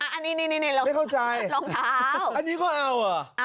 อันนี้ไม่เข้าใจรองเท้าอันนี้ก็เอาเหรอ